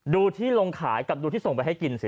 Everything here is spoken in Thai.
ดูที่ลงขายกับดูที่ส่งไปให้กินสิ